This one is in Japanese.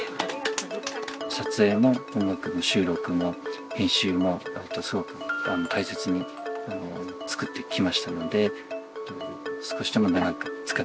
撮影も音楽の収録も編集もすごく大切に作ってきましたので少しでも長く使って頂けるとうれしいです。